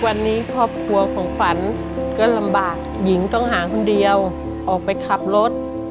วันนี้ครอบครัวของขวัญก็ลำบากหญิงต้องหาคนเดียวออกไปขับรถ